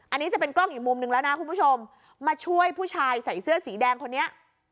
อันนี้จะเป็นกล้องอีกมุมนึงแล้วนะคุณผู้ชมมาช่วยผู้ชายใส่เสื้อสีแดงคนนี้